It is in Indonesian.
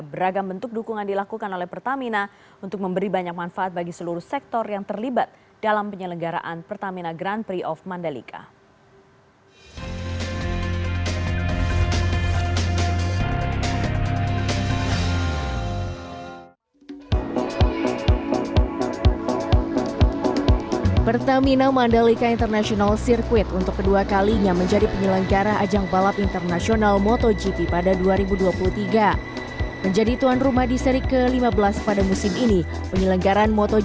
beragam bentuk dukungan dilakukan oleh pertamina untuk memberi banyak manfaat bagi seluruh sektor yang terlibat dalam penyelenggaraan pertamina grand prix of mandalika